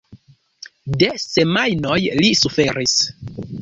De semajnoj li suferis.